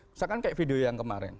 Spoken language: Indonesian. misalkan kayak video yang kemarin